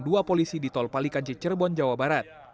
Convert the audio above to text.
dua polisi di tol palikanci cirebon jawa barat